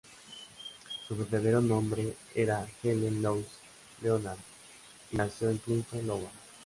Su verdadero nombre era Helen Louise Leonard, y nació en Clinton, Iowa.